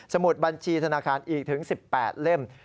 มุดบัญชีธนาคารอีกถึง๑๘เล่ม